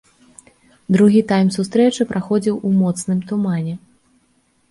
Другі тайм сустрэчы праходзіў у моцным тумане.